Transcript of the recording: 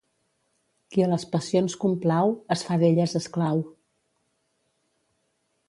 Qui a les passions complau, es fa d'elles esclau.